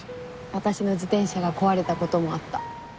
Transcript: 私の自転車が壊れた事もあった。